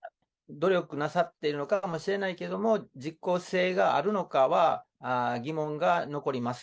努力なさっているのかもしれないけれども、実効性があるのかは疑問が残ります。